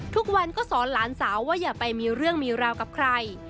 ทุกวันก็สอนหลานสาวว่าอย่าไปมีเรื่องมีราวกับใคร